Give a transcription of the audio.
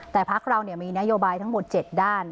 แต่พรรคเราเนี่ยมีนโยบายทั้งหมด๗ด้าน